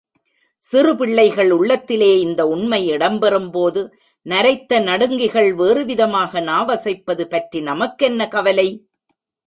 சிறு பிள்ளைகள் உள்ளத்திலே இந்த உண்மை இடம்பெறும்போது நரைத்த நடுங்கிகள் வேறுவிதமாக நாவசைப்பது பற்றி நமக்கென்ன கவலை!